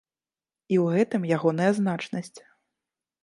І ў гэтым ягоная значнасць.